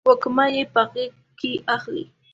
وږمه یې په غیږ کې اخلې